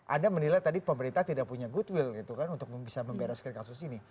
anda menilai tadi pemerintah tidak punya goodwill gitu kan untuk bisa membereskan kasus ini